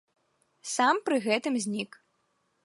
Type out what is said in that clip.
Сам пры гэтым знік.